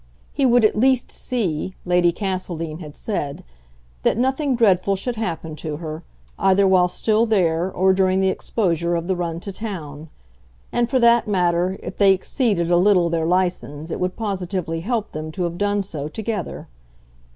He would at least see, Lady Castledean had said, that nothing dreadful should happen to her, either while still there or during the exposure of the run to town; and, for that matter, if they exceeded a little their license it would positively help them to have done so together.